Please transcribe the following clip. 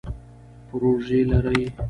پروژی لرئ؟